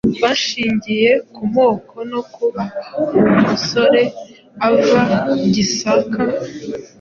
bashingiye ku moko no kuba uwo musore ava Gisaka